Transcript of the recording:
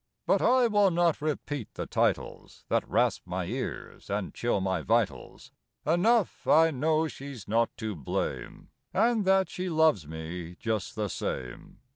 But I will not repeat the titles That rasp my ears and chill my vitals. Enough, I know she's not to blame. And that she loves me just the same."